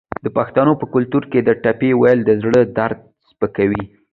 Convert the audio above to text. د پښتنو په کلتور کې د ټپې ویل د زړه درد سپکوي.